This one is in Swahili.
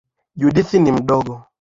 Judith ni mdogo.